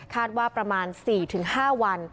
คาดว่าประมาณ๔๕วัน